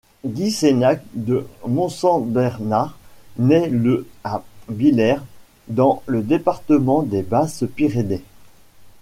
Guy Sénac de Monsembernard naît le à Bilhères dans le département des Basses-Pyrénées.